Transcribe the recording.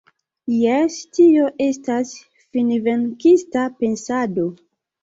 Jes, tio estas finvenkista pensado.